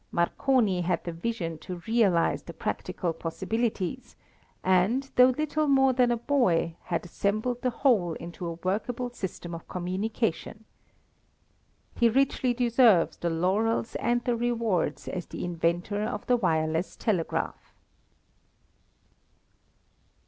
Marconi had the vision to realize the practical possibilities, and, though little more than a boy, had assembled the whole into a workable system of communication. He richly deserves the laurels and the rewards as the inventor of the wireless telegraph.